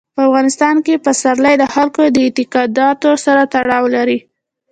په افغانستان کې پسرلی د خلکو د اعتقاداتو سره تړاو لري.